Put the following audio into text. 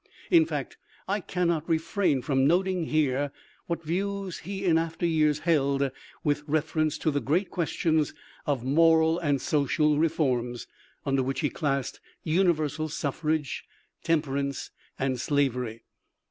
In fact, I cannot refrain from noting here what views he in after years held with reference to the great questions of moral and social reforms, under which he classed universal suffrage, temper ance, and slavery.